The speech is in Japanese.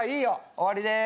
終わりでーす。